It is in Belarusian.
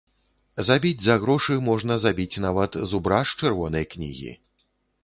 Забіць за грошы можна забіць нават зубра з чырвонай кнігі.